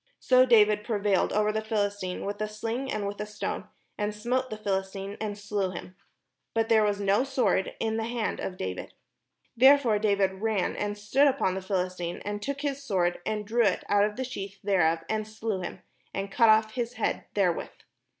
So David prevailed over the Philistine with a sling and with a stone, and smote the Philistine, and slew him; but there was no sword in the hand of David. Therefore David ran, and stood upon the Philis tine, and took his sword, and drew it out of the sheath thereof, and slew him, and cut off his head therewith.